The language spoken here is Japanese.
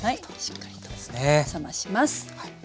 しっかりと冷まします。